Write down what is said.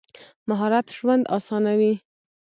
مهارت ژوند اسانوي.